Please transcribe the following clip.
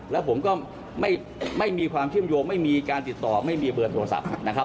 แล้วผมก็ไม่มีความเชื่อมโยงไม่มีการติดต่อไม่มีเบอร์โทรศัพท์นะครับ